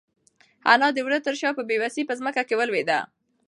انا د وره تر شا په بېوسۍ کې په ځمکه ولوېده.